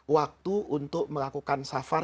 waktu untuk melakukan safar